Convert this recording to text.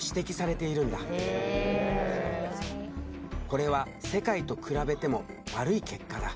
これは世界と比べても悪い結果だ。